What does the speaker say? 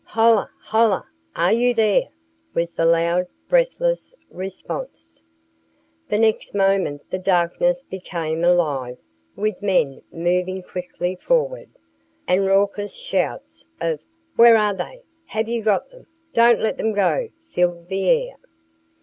"Hola! Hola! Are you there?" was the loud, breathless response. The next moment the darkness became alive with men moving quickly forward, and raucous shouts of "Where are they?" "Have you got them?" "Don't let them go!" filled the air.